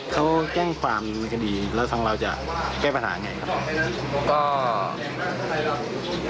เขาแก้งความดีกันดีแล้วทางเราจะแก้ปัญหาไงครับ